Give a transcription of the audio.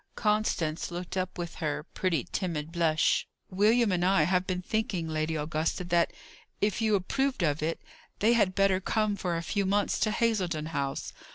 Constance looked up with her pretty timid blush. "William and I have been thinking, Lady Augusta, that, if you approved of it, they had better come for a few months to Hazledon House.